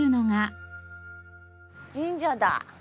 神社だ。